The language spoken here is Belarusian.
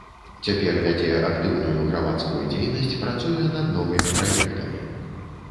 Цяпер вядзе актыўную грамадскую дзейнасць, працуе над новымі праектамі.